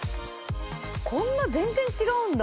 こんな全然違うんだ。